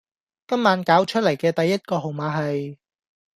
今晚攪出黎嘅第一個號碼係